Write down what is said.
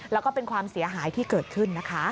แล้วก็เป็นความเสียหายที่เกิดขึ้นนะคะ